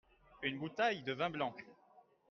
une boutaille de vin blanc.